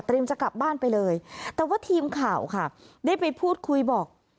จะกลับบ้านไปเลยแต่ว่าทีมข่าวค่ะได้ไปพูดคุยบอก